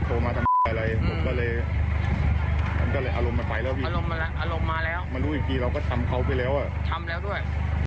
ทำแล้วด้วย